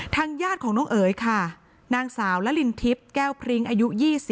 ญาติของน้องเอ๋ยค่ะนางสาวละลินทิพย์แก้วพริ้งอายุ๒๐